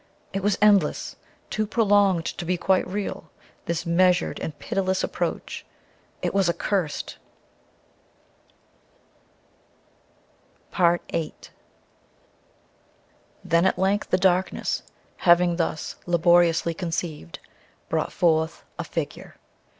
It was endless too prolonged to be quite real this measured and pitiless approach. It was accursed. VIII Then at length the darkness, having thus laboriously conceived, brought forth a figure.